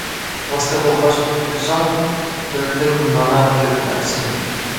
ۋاسىتە بولغاچ ئۆزۈڭ، بىلدىم مانا كۆپ نەرسىنى.